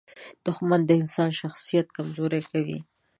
• دښمني د انسان شخصیت کمزوری کوي.